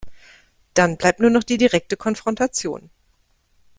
Dann bleibt nur noch die direkte Konfrontation.